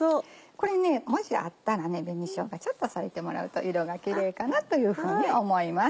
これもしあったら紅しょうがちょっと添えてもらうと色がキレイかなというふうに思います。